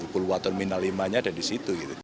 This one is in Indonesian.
pulau terminal lima ada di situ